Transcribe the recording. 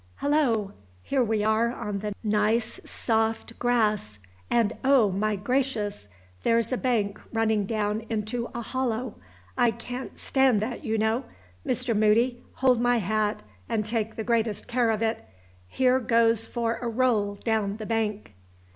"Hullo! here we are on the nice soft grass! and, oh, my gracious! there's a bank running down into a hollow! I can't stand that, you know. Mr. Moody, hold my hat, and take the greatest care of it. Here goes for a roll down the bank!"